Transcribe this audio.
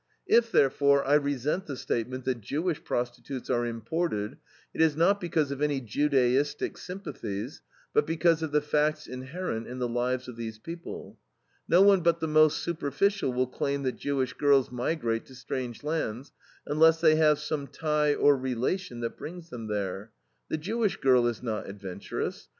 If, therefore, I resent the statement that Jewish prostitutes are imported, it is not because of any Judaistic sympathies, but because of the facts inherent in the lives of these people. No one but the most superficial will claim that Jewish girls migrate to strange lands, unless they have some tie or relation that brings them there. The Jewish girl is not adventurous.